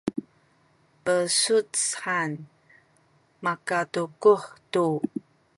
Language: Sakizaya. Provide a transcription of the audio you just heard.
besuc han makatukuh tu